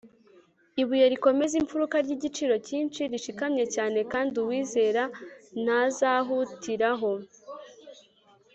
ibuye rikomeza imfuruka ry’igiciro cyinshi rishikamye cyane, kandi uwizera ntazahutiraho